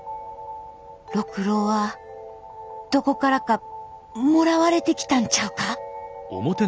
六郎はどこからかもらわれてきたんちゃうか！？